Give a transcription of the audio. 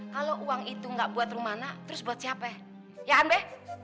kalau uang itu gak buat rumana terus buat siapa ya ya kan be